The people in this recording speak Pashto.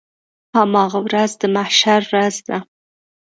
هماغه ورځ د محشر ورځ ده.